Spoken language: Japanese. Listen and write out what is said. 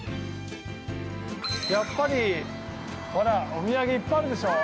◆やっぱり、ほらお土産いっぱいあるでしょう。